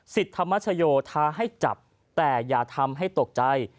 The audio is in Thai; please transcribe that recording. ธรรมชโยท้าให้จับแต่อย่าทำให้ตกใจ